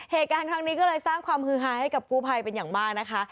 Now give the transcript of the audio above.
เหตุการณ์ครั้งนี้ก็เลยสร้างความฮือฮาให้กับกู้ภัยเป็นอย่างมากนะคะ